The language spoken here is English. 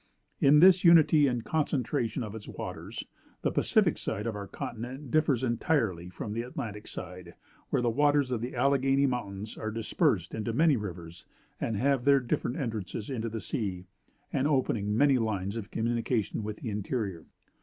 In this unity and concentration of its waters, the Pacific side of our continent differs entirely from the Atlantic side, where the waters of the Alleghany Mountains are dispersed into many rivers, having their different entrances into the sea, and opening many lines of communication with the interior."